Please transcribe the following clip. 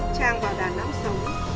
trang vào đà nẵng sống